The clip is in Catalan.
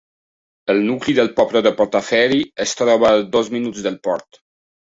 El nucli del poble de Portaferry es troba a dos minuts del port.